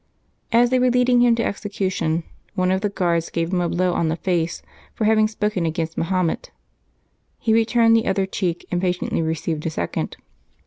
As they were leading him to execution, one of the guards gave him a blow on the face for having spoken against Mahomet; he turned the other cheek, and patiently received a second.